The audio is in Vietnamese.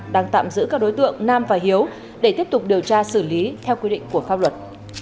đang tạm giữ các đối tượng nam và hiếu để tiếp tục điều tra xử lý theo quy định của pháp luật